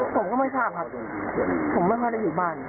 ผมก็ไม่ทราบครับผมไม่ค่อยได้อยู่บ้าน